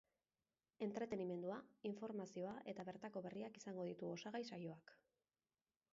Entretenimendua, informazioa eta bertako berriak izango ditu osagai saioak.